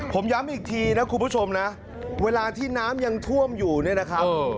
ผมย้ำอีกทีนะคุณผู้ชมนะเวลาที่น้ำยังท่วมอยู่เนี่ยนะครับ